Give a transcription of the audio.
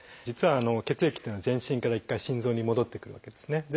実は血液っていうのは全身から一回心臓に戻ってくるわけですね。